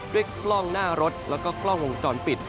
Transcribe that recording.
กล้องหน้ารถแล้วก็กล้องวงจรปิด